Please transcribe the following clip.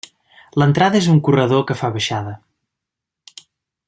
L'entrada és un corredor que fa baixada.